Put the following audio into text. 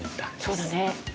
そうだね。